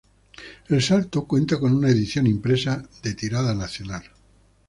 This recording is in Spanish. El Salto cuenta con una edición impresa de tirada nacional.